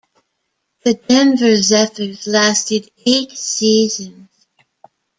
The Denver Zephyrs lasted eight seasons.